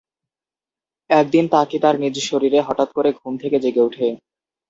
একদিন তাকি তার নিজ শরীরে হঠাৎ করে ঘুম থেকে জেগে উঠে।